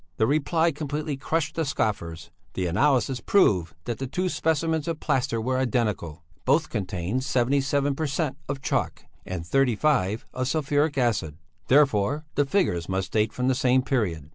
The reply completely crushed the scoffers; the analysis proved that the two specimens of plaster were identical; both contained 77 per cent. of chalk and 35 of sulphuric acid; therefore (!) the figures must date from the same period.